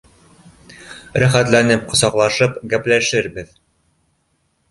Рәхәтләнеп ҡосаҡлашып, гәпләшербеҙ